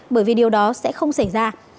bởi vì điều đó sẽ không xảy ra